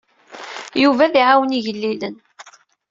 Yuba ad iɛawen igellilen.